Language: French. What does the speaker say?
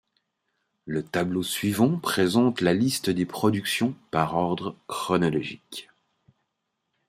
Le tableau suivant présente la liste des productions par ordre chronologique.